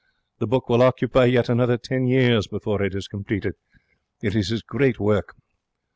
The book will occupy yet another ten years before it is completed. It is his great work.'